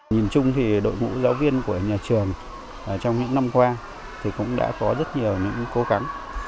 nhìn chung thì đội ngũ giáo viên của nhà trường trong những năm qua cũng đã có rất nhiều những cố gắng